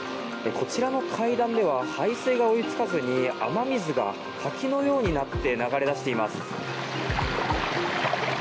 こちらの階段では排水が追いつかずに、雨水が滝のようになって流れ出しています。